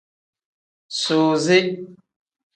Suuzi.